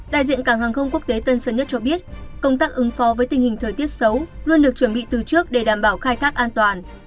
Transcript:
đại diện cảng hàng không quốc tế tân sơn nhất cho biết công tác ứng phó với tình hình thời tiết xấu luôn được chuẩn bị từ trước để đảm bảo khai thác an toàn